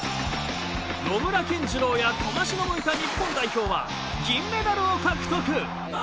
野村謙二郎や笘篠もいた日本代表は銀メダルを獲得。